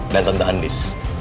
dan tentang andis